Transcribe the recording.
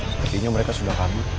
sepertinya mereka sudah kabur